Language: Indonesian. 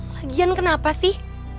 lagian kenapa sih